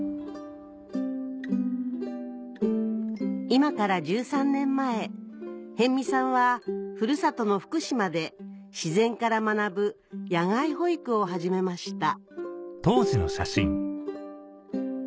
今から１３年前辺見さんはふるさとの福島で自然から学ぶ野外保育を始めました